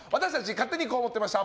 勝手にこう思ってました！